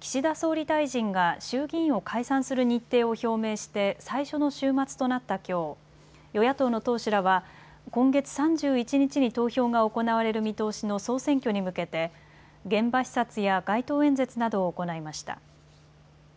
岸田総理大臣が衆議院を解散する日程を表明して最初の週末となったきょう、与野党の党首らは今月３１日に投票が行われる見通しの総選挙に向けて現場視察や街頭演説などを行いました。